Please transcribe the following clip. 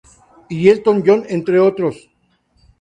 Y Elton John, entre otros.